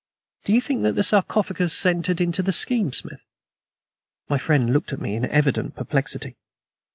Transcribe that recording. "Do you think that the sarcophagus entered into the scheme, Smith?" My friend looked at me in evident perplexity.